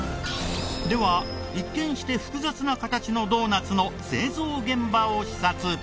では一見して複雑な形のドーナツの製造現場を視察。